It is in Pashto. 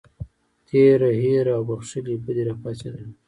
تېره هیره او بښلې بدي راپاڅېدله.